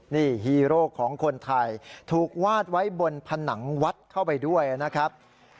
นี่ฮีโร่ของคนไทยถูกวาดไว้บนผนังวัดเข้าไปด้วยนะครับ